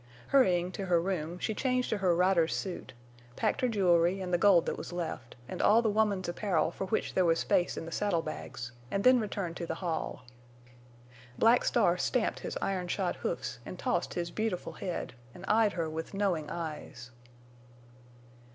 Hurrying to her room, she changed to her rider's suit, packed her jewelry, and the gold that was left, and all the woman's apparel for which there was space in the saddle bags, and then returned to the hall. Black Star stamped his iron shod hoofs and tossed his beautiful head, and eyed her with knowing eyes.